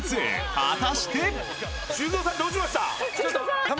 果たして。